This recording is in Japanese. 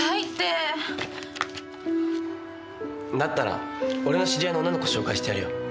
だったら俺の知り合いの女の子紹介してやるよ。